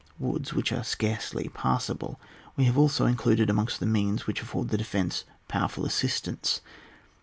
Woods, which are scarcely passable, we have also included amongst the means which afford the defence power ful assistance.